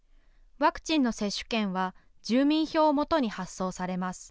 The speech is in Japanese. ワクチンの接種券は、住民票を基に発送されます。